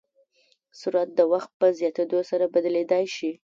سرعت د وخت په زیاتېدو سره بدلېدای شي.